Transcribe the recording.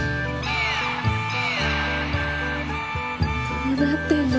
どうなってんの？